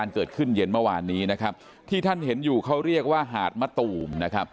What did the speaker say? เกิดขึ้นเย็นเมื่อวานนี้ที่ท่านเห็นอยู่เขาเรียกว่าหาดมะตูม